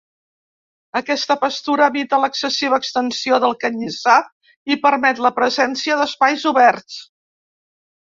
Aquesta pastura evita l'excessiva extensió del canyissar i permet la presència d'espais oberts.